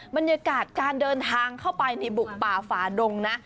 บรรยากาศการเดินทางเข้าไปในบุกป่าฝาดงนะ